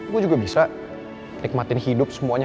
gue juga bisa nikmatin hidup semuanya